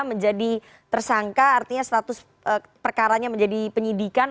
menjadi tersangka artinya status perkaranya menjadi penyidikan